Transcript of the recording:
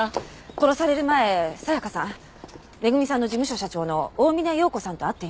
殺される前紗香さん恵さんの事務所社長の大峰洋子さんと会っていました。